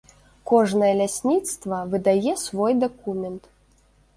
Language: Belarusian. Кожнае лясніцтва выдае свой дакумент.